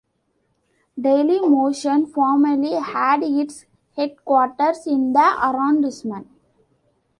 Dailymotion formerly had its headquarters in the arrondissement.